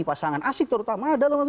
pasangan asyik terutama